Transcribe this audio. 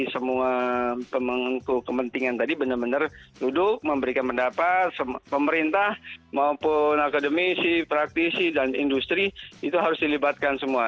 semua pemangku kepentingan tadi benar benar duduk memberikan pendapat pemerintah maupun akademisi praktisi dan industri itu harus dilibatkan semua